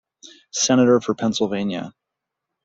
Senator for Pennsylvania.